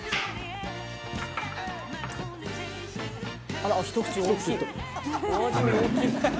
「あらひと口大きい」